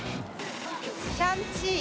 『シャン・チー』